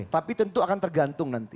tapi tentu akan tergantung nanti